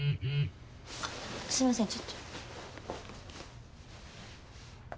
すいませんちょっと。